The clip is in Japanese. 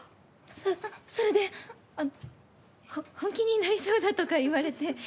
それで本気になりそうだとか言われて。